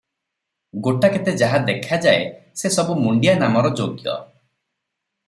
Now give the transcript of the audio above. ଗୋଟାକେତେ ଯାହା ଦେଖାଯାଏ ସେ ସବୁ ମୁଣ୍ତିଆ ନାମର ଯୋଗ୍ୟ ।